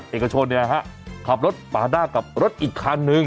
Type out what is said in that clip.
รัฐบาลก็เชื่อว่าจะช่วยประคับประคองเศรษฐกิจช่วงปลายปีนี้อย่างต่อเนื่อง